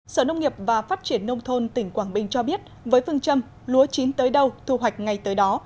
sở nông nghiệp và phát triển nông thôn tỉnh quảng bình cho biết với phương châm lúa chín tới đâu thu hoạch ngay tới đó